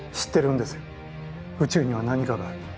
宇宙には何かがある。